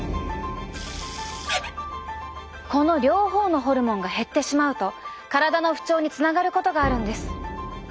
この両方のホルモンが減ってしまうと体の不調につながることがあるんです。